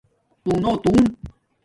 تُݸنو تݸن